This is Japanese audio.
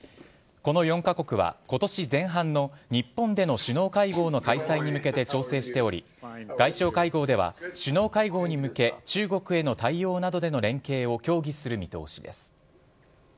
この４カ国は今年前半の日本での首脳会合の開催に向けて調整しており外相会合では首脳会合に向け中国への対応などでの連携を協議する見通しです。